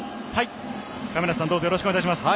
亀梨さん、どうぞよろしくお願いします。